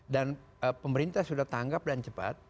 dan pemerintah sudah tanggap dan cepat